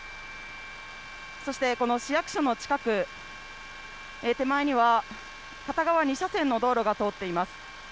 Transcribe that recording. そしてこの市役所の近く、手前には片側２車線の道路が通っています。